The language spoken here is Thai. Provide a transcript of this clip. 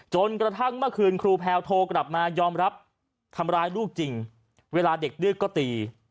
จนกระทั่งเมื่อคืนครูแพลวโทรกลับมายอมรับทำร้ายลูกจริงเวลาเด็กดื้อก็ตี